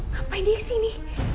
ngapain dia disini